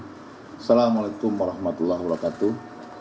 assalamu alaikum warahmatullahi wabarakatuh